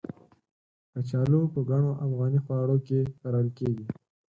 کچالو په ګڼو افغاني خواړو کې کارول کېږي.